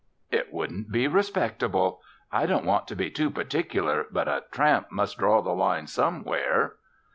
"It wouldn't be respectable. I don't want to be too particular but a tramp must draw the line somewhere."